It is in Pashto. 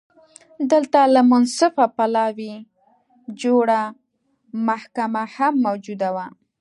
دلته له منصفه پلاوي جوړه محکمه هم موجوده وه